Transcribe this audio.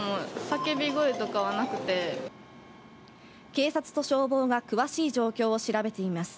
警察と消防が詳しい状況を調べています。